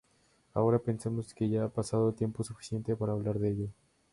Ahora pensamos que ya ha pasado el tiempo suficiente para hablar de ello".